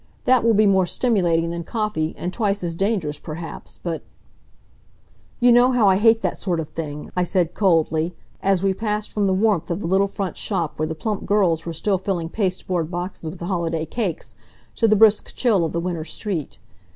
That will be more stimulating than coffee, and twice as dangerous, perhaps, but " "You know how I hate that sort of thing," I said, coldly, as we passed from the warmth of the little front shop where the plump girls were still filling pasteboard boxes with holiday cakes, to the brisk chill of the winter street.